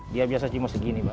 dia biasa cuma segini pak